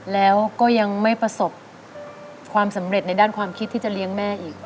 แล้วก็ยังไม่ประสบความสำเร็จในด้านความคิดที่จะเลี้ยงแม่อีก